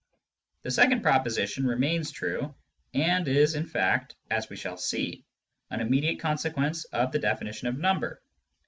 The second proposition remains true, and is in fact, as we shall see, an immediate consequence of the definition of number.